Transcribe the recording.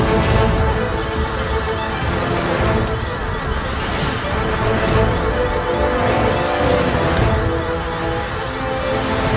mereka bisa harus mengaku semuanya